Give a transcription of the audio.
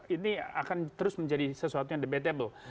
ini akan terus menjadi sesuatu yang debatable